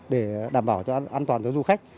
để đảm bảo cho an toàn cho du khách